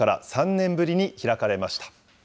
３年ぶりに開かれました。